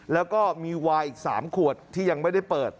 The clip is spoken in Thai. แล้วก็มีวายอีก๓ขวดที่ยังไม่ได้เปิด